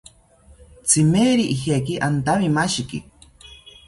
Tzimeri ijeki antamimashiki